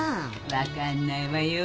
分かんないわよ。